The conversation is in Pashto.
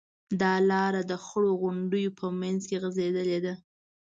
دا لاره د خړو غونډیو په منځ کې غځېدلې ده.